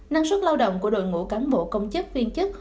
năng suất lao động của đội ngũ cán bộ công chức viên chức